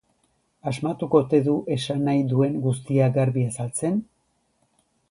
Asmatuko ote du esan nahi duen guztia garbi azaltzen?